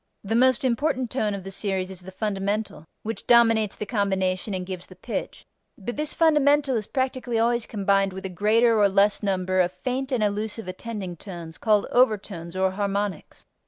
The most important tone of the series is the fundamental, which dominates the combination and gives the pitch, but this fundamental is practically always combined with a greater or less number of faint and elusive attending tones called overtones or harmonics.